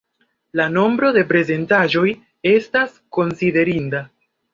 La nombro de prezentaĵoj estas konsiderinda.